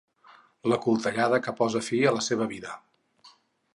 La coltellada que posa fi a la seva vida.